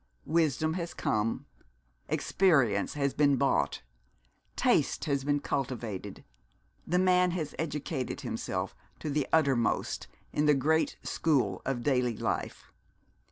Wisdom has come, experience has been bought, taste has been cultivated, the man has educated himself to the uttermost in the great school of daily life.